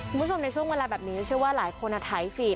คุณผู้ชมในช่วงเวลาแบบนี้เชื่อว่าหลายคนถ่ายสิ